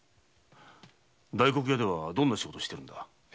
大黒屋ではどんな仕事をしてるんだ？